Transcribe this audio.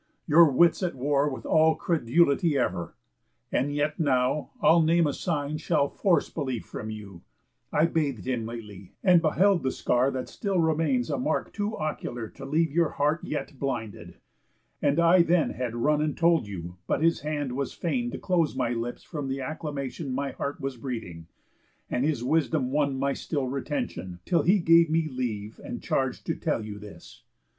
Your wit's at war With all credulity ever! And yet now, I'll name a sign shall force belief from you: I bath'd him lately, and beheld the scar That still remains a mark too ocular To leave your heart yet blinded; and I then Had run and told you, but his hand was fain To close my lips from th' acclamation My heart was breathing, and his wisdom won My still retention, till he gave me leave And charge to tell you this.